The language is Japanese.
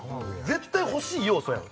絶対欲しい要素やん